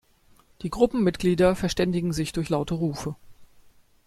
Die Gruppenmitglieder verständigen sich durch laute Rufe.